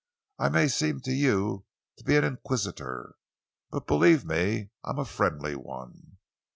I may seem to you to be an inquisitor, but believe me I am a friendly one.